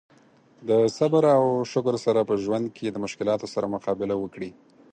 د صبر او شکر سره په ژوند کې د مشکلاتو سره مقابله وکړي.